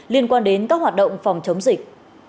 liên quan đến các hoạt động phòng chống dịch